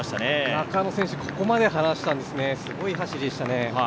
中野選手、ここまで離したんですね、すごい走りでしたね。